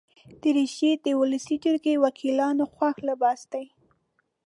دریشي د ولسي جرګې وکیلانو خوښ لباس دی.